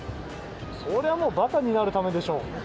そりゃもう、ばかになるためでしょう。